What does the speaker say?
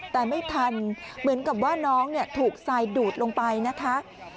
แต่ไม่ทันเหมือนกับว่าน้องถูกทรายดูดลงไปนะคะ